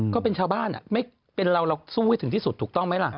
ก็เป็นชาวบ้านไม่เป็นเราเราสู้ให้ถึงที่สุดถูกต้องไหมล่ะ